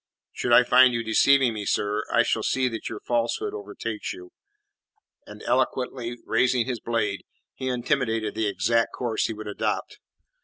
Should I find you deceiving me, sir, I shall see that your falsehood overtakes you." And eloquently raising his blade, he intimated the exact course he would adopt.